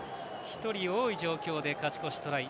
１人多い状況で勝ち越しトライ。